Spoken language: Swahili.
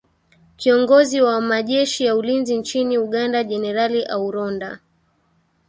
kiongozi wa majeshi ya ulinzi nchini uganda jenerali auronda